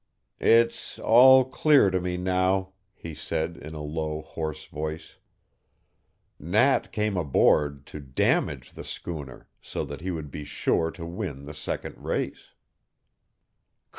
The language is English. "It's all clear to me now," he said in a low, hoarse voice. "Nat came aboard to damage the schooner so that he would be sure to win the second race."